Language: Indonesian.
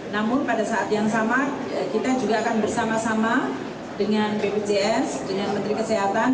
namun pada saat yang sama kita juga akan bersama sama dengan bpjs dengan menteri kesehatan